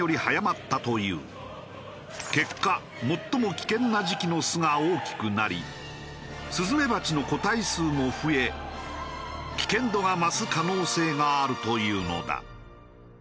結果最も危険な時期の巣が大きくなりスズメバチの個体数も増え危険度が増す可能性があるというのだ。